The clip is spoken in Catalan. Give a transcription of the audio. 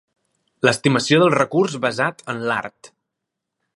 L'estimació del recurs basat en l'art.